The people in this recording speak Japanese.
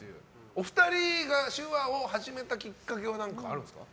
お二人が手話を始めたきっかけはあるんですか？